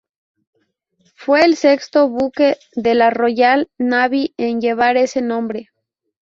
Fue el sexto buque de la Royal Navy en llevar ese nombre.